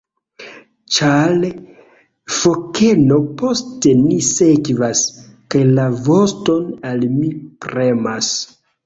Ĉar fokeno post ni sekvas, kaj la voston al mi premas!